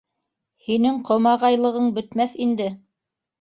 Һинең ҡомағайлығың бөтмәҫ инде.